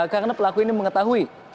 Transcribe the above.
karena pelaku ini mengetahui